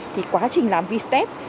thì quá trình làm v step